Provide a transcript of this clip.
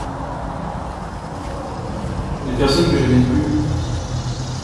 Les personnes que je n'aime plus.